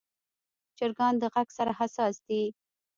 چرګان د غږ سره حساس دي.